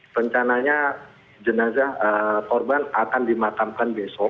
rencananya jenazah korban akan dimakamkan besok